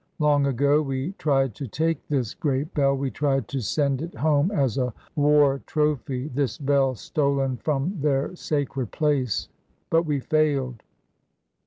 Long ago we tried to take this great bell; we tried to send it home as a war trophy, this bell stolen from their sacred place, but we failed.